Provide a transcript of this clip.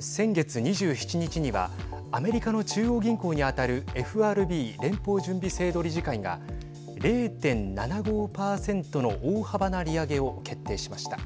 先月２７日にはアメリカの中央銀行に当たるＦＲＢ＝連邦準備制度理事会が０．７５％の大幅な利上げを決定しました。